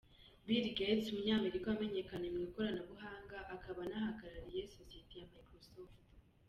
Bill Gates umunyamerika wamenyekanye mu ikoranabuhanga, akaba anahagarariye sosiyeti ya Microsoft.